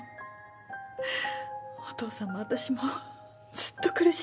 お父さんも私もずっと苦しんできた。